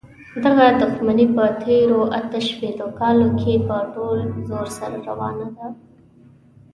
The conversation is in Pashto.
دغه دښمني په تېرو اته شپېتو کالونو کې په ټول زور سره روانه ده.